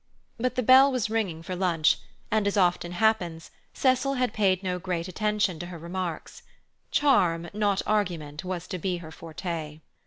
But the bell was ringing for lunch, and, as often happened, Cecil had paid no great attention to her remarks. Charm, not argument, was to be her forte.